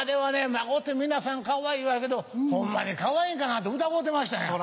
孫って皆さんかわいい言わはるけどホンマにかわいいんかなって疑うてましたんや。